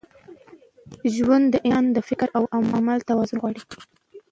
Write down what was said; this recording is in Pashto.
ژوند د انسان د فکر او عمل توازن غواړي.